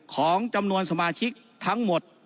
ของจำนวนสมาชิกทั้งหมด